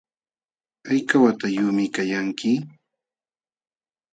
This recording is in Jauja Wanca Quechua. ¿Hayka watayuqmi kaykanki?